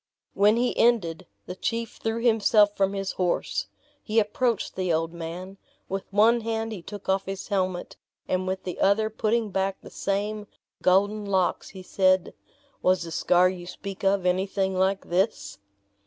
When he ended, the chief threw himself from his horse. He approached the old man; with one hand he took off his helmet, and with the other putting back the same golden locks, he said, "Was the scar you speak of anything like this?"